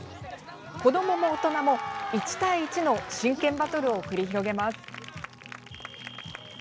子どもも大人も１対１の真剣バトルを繰り広げます。